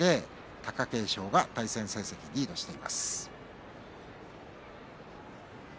貴景勝が対戦成績リードしています。